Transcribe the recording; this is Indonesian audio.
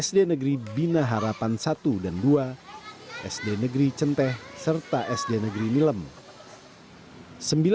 sd negeri benih harapan i dan ii sd negeri centeh serta sd negeri milem